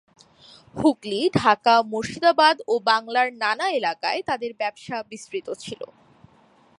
হুগলি, ঢাকা, মুর্শিদাবাদ ও বাংলার নানা এলাকায় তাদের ব্যবসা বিস্তৃত ছিল।